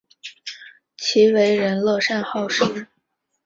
其为人乐善好施。